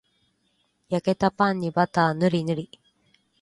焼けたパンにバターぬりぬり